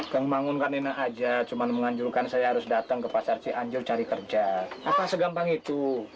kang bangun kak nina aja cuman menganjurkan saya harus datang ke pasar si anjur cari kerja apa segampang itu